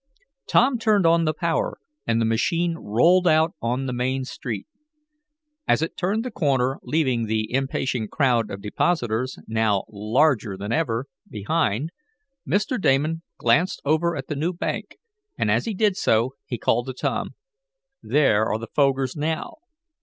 Tom turned on the power, and the machine rolled out on the main street. As it turned the corner, leaving the impatient crowd of depositors, now larger than ever, behind, Mr. Damon glanced over at the new bank, and, as he did so, he called to Tom: "There are the Fogers now."